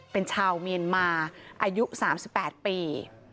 เป็นชาวเมียนมาอายุ๓๘ปี